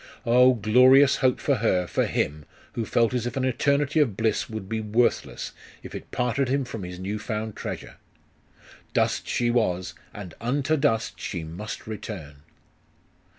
Oh, glorious hope for her, for him, who felt as if an eternity of bliss would be worthless, if it parted him from his new found treasure! Dust she was, and unto dust she must return!